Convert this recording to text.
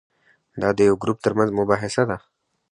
دا د یو ګروپ ترمنځ مباحثه ده.